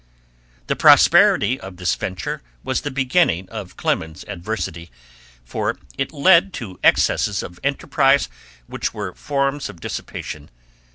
The prosperity, of this venture was the beginning of Clemens's adversity, for it led to excesses of enterprise which were forms of dissipation.